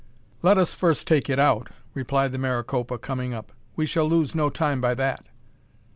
"Let us first take it out," replied the Maricopa, coming up; "we shall lose no time by that."